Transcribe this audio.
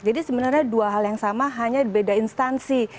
jadi sebenarnya dua hal yang sama hanya beda instansi